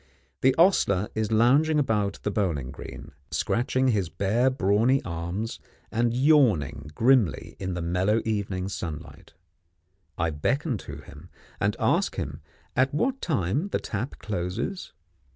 The ostler is lounging about the bowling green, scratching his bare brawny arms and yawning grimly in the mellow evening sunlight. I beckon to him, and ask him at what time the tap closes?